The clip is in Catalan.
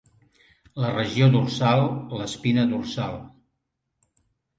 La regió dorsal, l'espina dorsal.